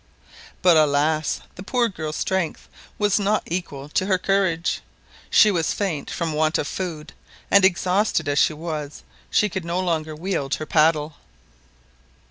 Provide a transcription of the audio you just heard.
But, alas! the poor girl's strength was not equal to her courage, she was faint from want of food, and, exhausted as she was, she could no longer wield her paddle.